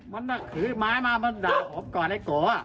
มันถือไม้มามันด่าผมก่อนไอ้โก